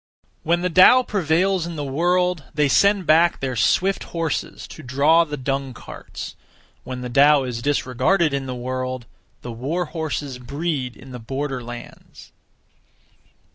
1. When the Tao prevails in the world, they send back their swift horses to (draw) the dung carts. When the Tao is disregarded in the world, the war horses breed in the border lands.